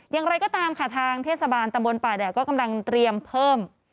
อย่างไรก็ตามค่ะทางเทศบาลตำบลป่าแดดก็กำลังเตรียมเพิ่ม